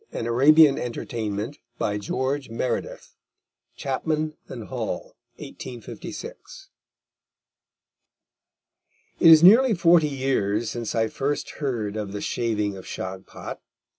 An Arabian Entertainment. By George Meredith. Chapman and Hall. 1856. It is nearly forty years since I first heard of The Shaving of Shagpat.